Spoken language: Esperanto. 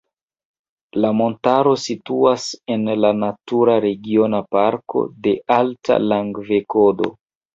La montaro situas en la Natura Regiona Parko de Alta Langvedoko.